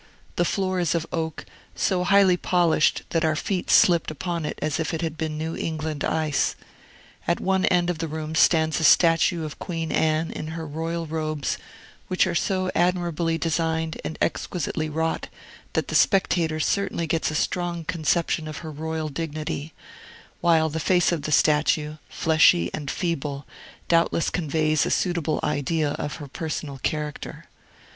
The floor is of oak, so highly polished that our feet slipped upon it as if it had been New England ice. At one end of the room stands a statue of Queen Anne in her royal robes, which are so admirably designed and exquisitely wrought that the spectator certainly gets a strong conception of her royal dignity; while the face of the statue, fleshy and feeble, doubtless conveys a suitable idea of her personal character.